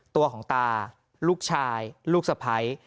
ตัวของตาลูกชายลูกสะพ้าย